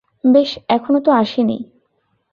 বেশ, এখনো তো আসেনি।